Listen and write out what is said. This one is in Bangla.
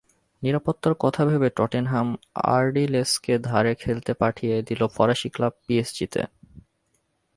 নিরাপত্তার কথা ভেবে টটেনহাম আর্ডিলেসকে ধারে খেলতে পাঠিয়ে দিল ফরাসি ক্লাব পিএসজিতে।